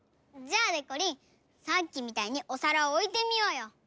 じゃあでこりんさっきみたいにおさらをおいてみようよ。